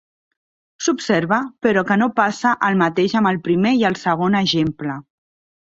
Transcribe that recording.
S'observa, però, que no passa el mateix amb el primer i el segon exemple.